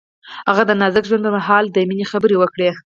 هغه د نازک ژوند پر مهال د مینې خبرې وکړې.